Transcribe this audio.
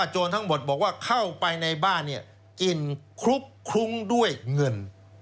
โจรทั้งหมดบอกว่าเข้าไปในบ้านกินคลุกคลุ้งด้วยเงิน